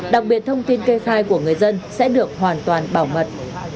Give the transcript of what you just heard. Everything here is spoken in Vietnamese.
đặc biệt thông tin kê khai của người dân sẽ được hoàn toàn bảo mật